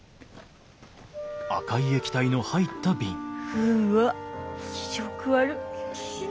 うわっ気色悪。